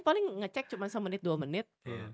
paling ngecek cuma semenit dua menit